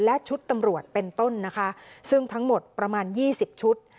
และชุดตำรวจเป็นต้นนะคะซึ่งทั้งหมดประมาณยี่สิบชุด